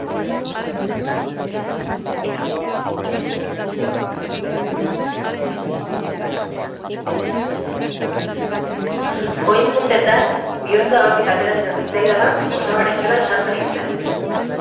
Oin-puntetan, bihotza ahotik ateratzen zitzaidala, osabaren gelan sartu nintzen.